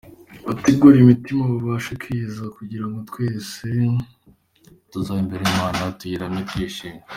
Bategure imitima, babashe kwiyeza kugira ngo twese tuzabe imbere y’Imana, tuyiramye twishimye.